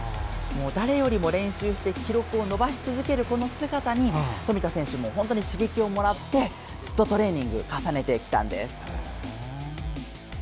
誰よりも練習して記録を伸ばし続ける姿に富田選手も本当に刺激をもらってずっとトレーニングを重ねてきたんです。